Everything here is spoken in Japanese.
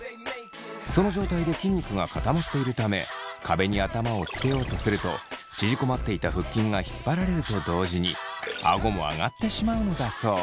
その状態で筋肉が固まっているため壁に頭をつけようとすると縮こまっていた腹筋が引っ張られると同時にあごも上がってしまうのだそう。